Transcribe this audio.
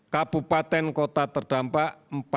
kabupaten kota terdampak